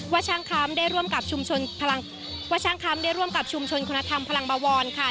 ช่างคำได้ร่วมกับชุมชนว่าช่างคำได้ร่วมกับชุมชนคุณธรรมพลังบวรค่ะ